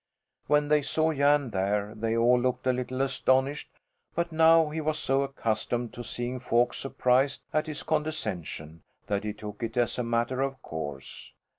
When they saw Jan there they all looked a little astonished; but now he was so accustomed to seeing folks surprised at his condescension that he took it as a matter of course.